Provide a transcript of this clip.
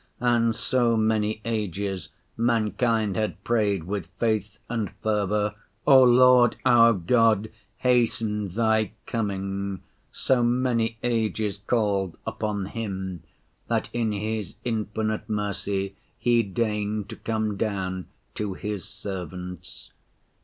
And so many ages mankind had prayed with faith and fervor, "O Lord our God, hasten Thy coming," so many ages called upon Him, that in His infinite mercy He deigned to come down to His servants.